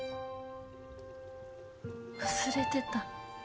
忘れてた。